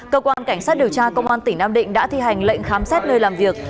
cơ quan cảnh sát điều tra công an tỉnh nam định đã thi hành lệnh khám xét nơi làm việc